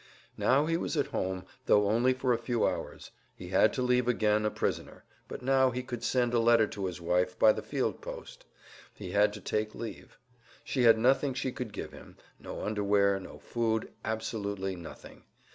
Now he was at home, though only for a few hours. He had to leave again a prisoner; but now he could send a letter to his wife by the field post. He had to take leave. She had nothing she could give him—no underwear, no food, absolutely nothing.